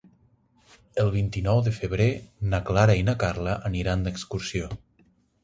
El vint-i-nou de febrer na Clara i na Carla aniran d'excursió.